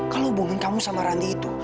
kalau hubungin kamu sama randi itu